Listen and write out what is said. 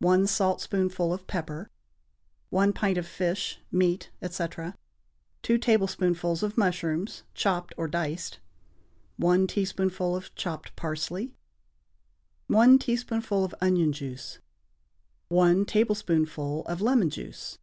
1 saltspoonful of pepper. 1 pint of fish, meat, etc. 2 tablespoonfuls of mushrooms, chopped or diced. 1 teaspoonful of chopped parsley. 1 teaspoonful of onion juice. 1 tablespoonful of lemon juice.